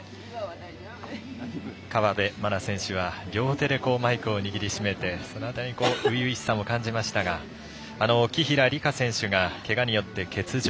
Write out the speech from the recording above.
河辺愛菜選手は両手でマイクを握り締めて、その辺りに初々しさを感じましたが紀平梨花選手がけがによって欠場。